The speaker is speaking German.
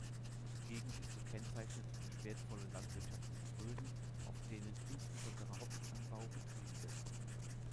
Die Gegend ist gekennzeichnet durch wertvolle landwirtschaftliche Böden, auf denen insbesondere Hopfenanbau betrieben wird.